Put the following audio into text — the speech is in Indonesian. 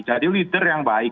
jadi leader yang baik